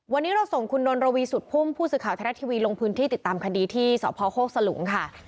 วันนี้เราส่งคุณนนระวีสุดพุ่มผู้สื่อข่าวไทยรัฐทีวีลงพื้นที่ติดตามคดีที่สพโคกสลุงค่ะ